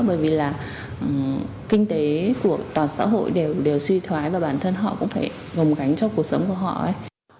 bởi vì là kinh tế của toàn xã hội đều suy thoái và bản thân họ cũng phải gồng gánh cho cuộc sống của họ